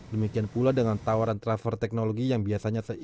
demikian pula dengan tawaran transfer teknologi yang biasanya seiring